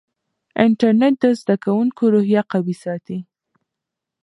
انټرنیټ د زده کوونکو روحیه قوي ساتي.